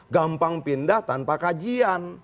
gampang pindah tanpa kajian